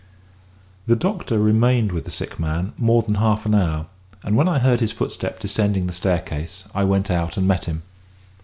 The doctor remained with the sick man more than half an hour; and when I heard his footstep descending the staircase I went out and met him.